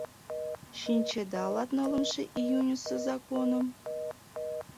Шинчеда латнылымше июньысо законым?